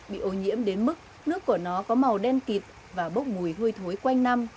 bị ô nhiễm đến mức nước của nó có màu đen kịt và bốc mùi hôi thối quanh năm